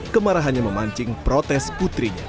kemarahannya memancing protes putrinya